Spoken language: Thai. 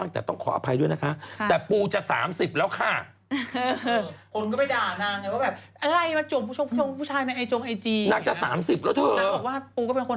นางก็เป็นคนธรรมดากว่าการจูบฟ้องจูบแฟนก็ก็เรื่องปกติไง